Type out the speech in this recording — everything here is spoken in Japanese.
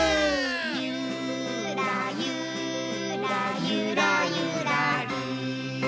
「ゆーらゆーらゆらゆらりー」